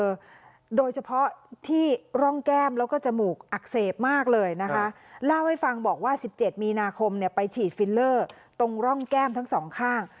โดยเฉพาะที่ร่องแก้มแล้วก็จมูกอักเสบมากเลยนะคะเล่าให้ฟังบอกว่าสิบเจ็ดมีนาคมเนี่ยไปฉีดฟิลเลอร์ตรงร่องแก้มทั้งสองข้าง